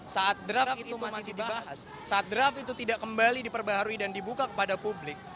saat draft itu masih dibahas saat draft itu tidak kembali diperbaharui dan dibuka kepada publik